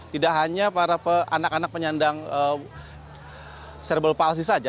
tidak hanya para anak anak penyandang cerebral palsy saja